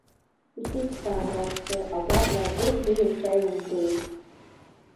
Усыцхраа, абааԥсы, агәаҟра атәы уи иахьа иумбеит.